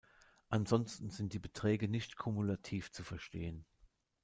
Ansonsten sind die Beträge nicht kumulativ zu verstehen.